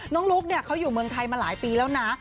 ลุ๊กเขาอยู่เมืองไทยมาหลายปีแล้วนะ